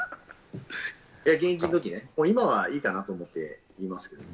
現役のときね、今はいいかなと思って、言いますけどね。